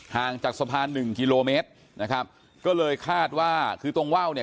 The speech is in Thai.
ห่างจากสะพานหนึ่งกิโลเมตรนะครับก็เลยคาดว่าคือตรงว่าวเนี่ย